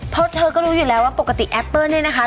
เพราะเธอก็รู้อยู่แล้วว่าปกติแอปเปิ้ลเนี่ยนะคะ